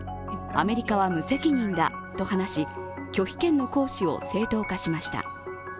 アメリカは無責任だと話し、拒否権の行使を正当化しました。